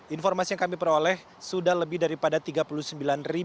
informasi yang kami peroleh sudah lebih daripada hari ini